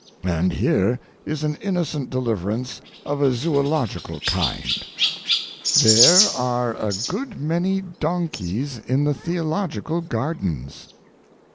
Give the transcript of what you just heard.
And here is an innocent deliverance of a zoological kind: "There are a good many donkeys in the theological gardens."